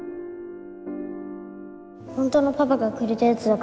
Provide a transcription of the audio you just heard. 本当のパパがくれたやつだから。